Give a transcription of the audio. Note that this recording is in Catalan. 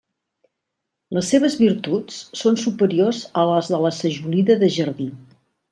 Les seves virtuts són superiors a les de la sajolida de jardí.